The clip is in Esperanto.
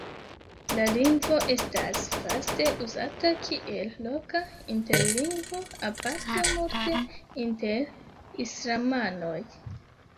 La lingvo estas vaste uzata kiel loka interlingvo, aparte multe inter islamanoj.